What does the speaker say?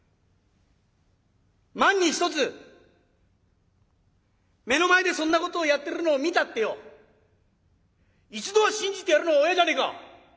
万に一つ目の前でそんなことをやってるのを見たってよ一度は信じてやるのが親じゃねえか。